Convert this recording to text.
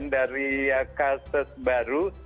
dari kasus baru